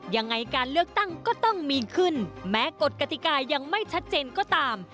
ยังไงการเลือกตั้งก็ต้องมีขึ้นแม้กฎกติกายังไม่ชัดเจนก็ตาม